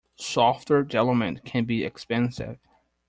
Software development can be expensive.